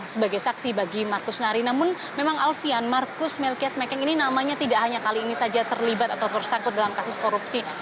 sebagai saksi bagi markus nari namun memang alfian marcus melkias mekeng ini namanya tidak hanya kali ini saja terlibat atau tersangkut dalam kasus korupsi